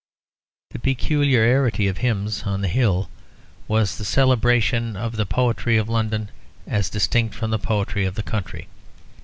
The peculiarity of "Hymns on the Hill" was the celebration of the poetry of London as distinct from the poetry of the country.